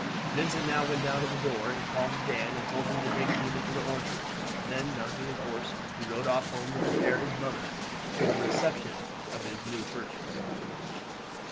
Vincent now went to the door and called in Dan and told him to take Dinah to the Orangery, then mounting his horse he rode off home to prepare his mother for the reception of his new purchase.